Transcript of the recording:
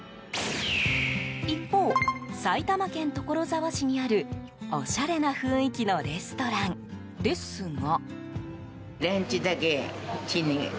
一方、埼玉県所沢市にあるおしゃれな雰囲気のレストラン。ですが。